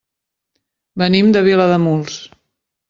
Venim de Vilademuls.